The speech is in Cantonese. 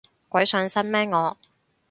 鬼上身咩我